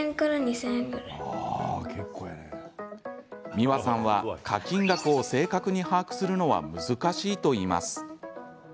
美和さんは、課金額を正確に把握するのは難しいといいます。